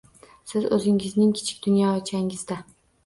Siz o’zingizning kichik dunyochangizda